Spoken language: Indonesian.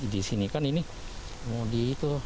di sini kan ini modi itu